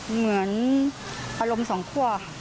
เหมือนอารมณ์สองคั่วค่ะ